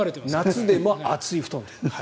夏でも厚い布団で。